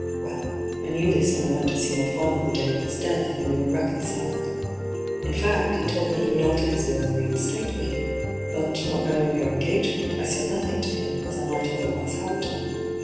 Well, I knew this when I went to see my father the day of his death, when we were reconciled — in &ot, he told me he would alter his will and reinstate me ; but, not knowing of your engagement, I said nothing to him, as I might otherwise have done.